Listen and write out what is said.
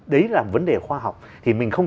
đấy là vấn đề khoa học thì mình không